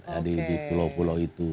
ada di pulau pulau itu